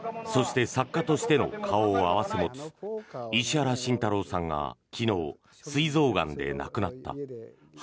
そして作家としての顔を併せ持つ石原慎太郎さんが昨日、すい臓がんで亡くなった。